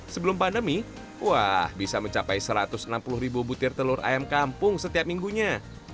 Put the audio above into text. sebelum pandemi wah bisa mencapai satu ratus enam puluh ribu butir telur ayam kampung setiap minggunya